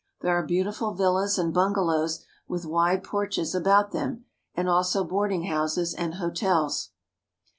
There are beautiful villas and bungalows with wide porches about them, and also boarding houses and hotels.